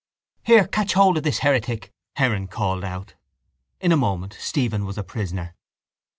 —Here, catch hold of this heretic, Heron called out. In a moment Stephen was a prisoner.